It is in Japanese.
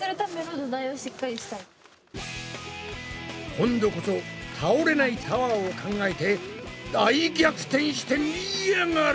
今度こそ倒れないタワーを考えて大逆転してみやがれ！